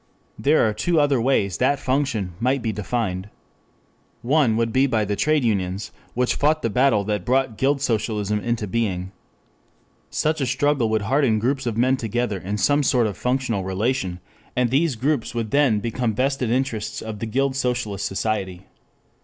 There are two other ways that function might be defined. One would be by the trade unions which fought the battle that brought guild socialism into being. Such a struggle would harden groups of men together in some sort of functional relation, and these groups would then become the vested interests of the guild socialist society.